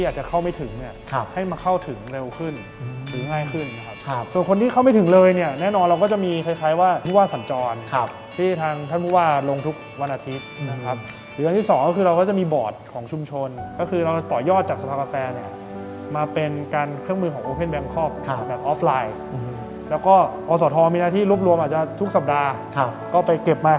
อเจมส์อทรอสมอทรอสมอสมอสมอสมอสมอสมอสมอสมอสมอสมอสมอสมอสมอสมอสมอสมอสมอสมอสมอสมอสมอสมอสมอสมอสมอสมอสมอสมอสมอสมอสมอสมอสม